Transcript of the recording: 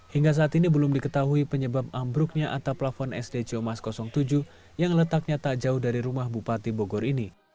hingga saat ini belum diketahui penyebab ambruknya atap lafon sd ciomas tujuh yang letaknya tak jauh dari rumah bupati bogor ini